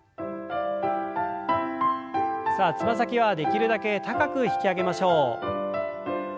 さあつま先はできるだけ高く引き上げましょう。